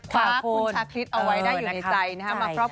คว้าคุณชาคริสเอาไว้ได้อยู่ในใจนะครับ